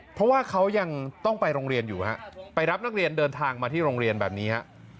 เพราะว่าเขายังต้องไปโรงเรียนอยู่ฮะไปรับนักเรียนเดินทางมาที่โรงเรียนแบบนี้ฮะ